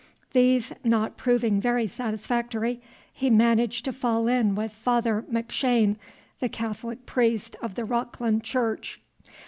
These not proving very satisfactory, he managed to fall in with Father McShane, the Catholic priest of the Rockland church.